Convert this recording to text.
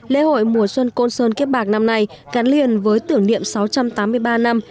lễ hội mùa xuân côn sơn kiếp bạc năm nay gắn liền với tưởng niệm sáu trăm tám mươi ba năm